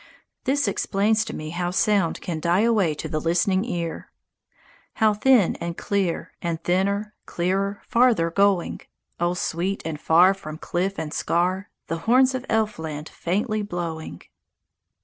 This explains to me how sound can die away to the listening ear: ... How thin and clear, And thinner, clearer, farther going! O sweet and far from cliff and scar The horns of Elfland faintly blowing!